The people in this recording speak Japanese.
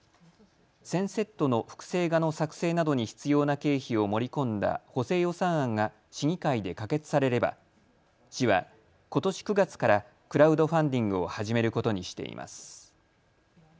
１０００セットの複製画の作成などに必要な経費を盛り込んだ補正予算案が市議会で可決されれば市はことし９月からクラウドファンディングを始めることにしています。